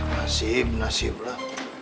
masih nasib lah